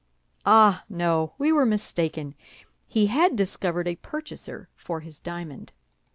Ah! no, we were mistaken; he had discovered a purchaser for his diamond.